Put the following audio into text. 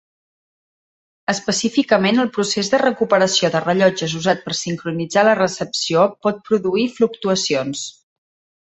Específicament el procés de recuperació de rellotges usat per sincronitzar la recepció pot produir fluctuacions.